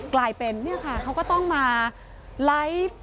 กลายเป็นเขาก็ต้องมาไลฟ์